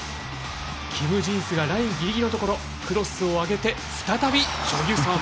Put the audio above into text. キム・ジンスがラインギリギリのところクロスを上げて再びチョ・ギュソン。